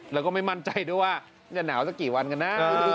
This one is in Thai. แล้วก็ไม่มั่นใจด้วยว่าจะหนาวสักกี่วันกันนะ